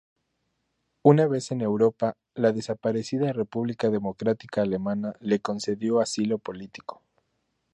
Una vez en Europa, la desaparecida República Democrática Alemana le concedió asilo político.